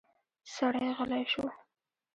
سړی غلی شو.